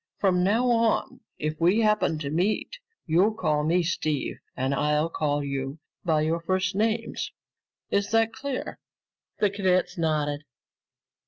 From now on, if we happen to meet, you'll all call me Steve and I'll call you by your first names. Is that clear?" The cadets nodded.